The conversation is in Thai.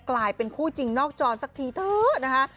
กลายเป็นคู่จริงนอกจอสักทีเถอะนะคะ